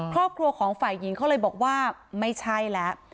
ครอบครัวของฝ่ายหญิงเขาเลยบอกว่าไม่ใช่แล้ว